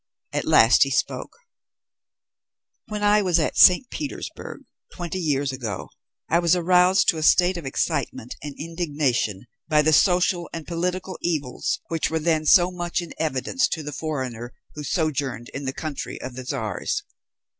At last he spoke: "When I was at St. Petersburg, twenty years ago, I was aroused to a state of excitement and indignation by the social and political evils which were then so much in evidence to the foreigner who sojourned in the country of the Czars.